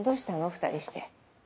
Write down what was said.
２人して。